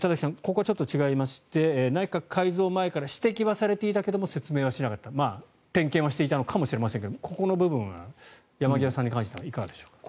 ここはちょっと違いまして内閣改造前から指摘はされていたけれど説明はしなかった点検はしていたのかもしれませんがここの部分は山際さんに関してはいかがでしょうか。